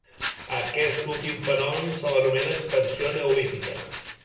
A aquest últim fenomen se l'anomena expansió neolítica.